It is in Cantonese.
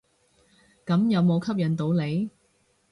咁有無吸引到你？